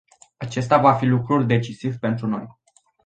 Acesta va fi lucrul decisiv pentru noi.